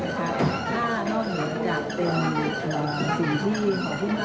ที่แปลงให้เขาเป็นอักษัตริย์ความเป็นชาติไทยด้วย